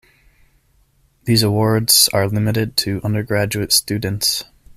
These awards are limited to undergraduate students.